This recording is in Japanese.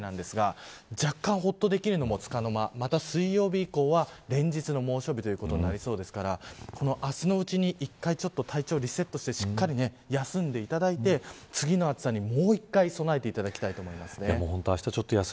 これで平年並みぐらいなんですが若干ほっとできるのもつかの間また水曜日以降は連日の猛暑日となりそうですから明日のうちに一回体調をリセットしてしっかり休んでいただいて次の暑さにもう一回備えていただきたいと思います。